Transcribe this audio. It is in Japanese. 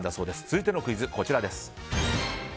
続いてのクイズ、こちらです。